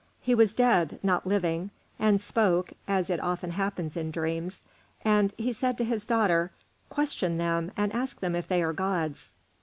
He was dead, not living, and spoke, as it often happens in dreams; and he said to his daughter, "Question them and ask them if they are gods."